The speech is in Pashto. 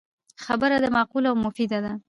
خبره دی معقوله او مفیده ده